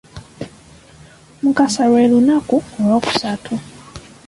Mukasa lwe lunaku olwokusatu